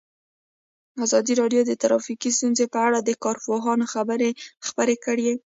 ازادي راډیو د ټرافیکي ستونزې په اړه د کارپوهانو خبرې خپرې کړي.